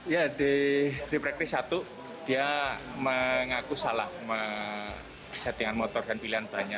ya di pre practice satu dia mengaku salah settingan motor dan pilihan bahannya